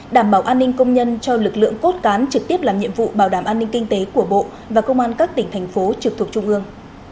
đảm bảo an ninh công nhân cho lực lượng cốt cán trực tiếp làm nhiệm vụ bảo đảm an ninh kinh tế của bộ và công an các tỉnh thành phố trực thuộc trung ương